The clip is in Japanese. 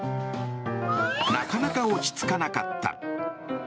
なかなか落ち着かなかった。